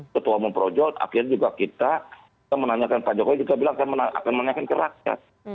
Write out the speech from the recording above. ketua umum projo akhirnya juga kita menanyakan pak jokowi kita bilang akan menanyakan ke rakyat